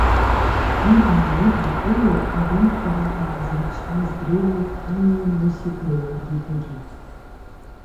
Уи дааиваҟәыло агәымшәара аазырԥшыз дреиуоуп Ҭаниа Мусик Леуард-иԥагьы.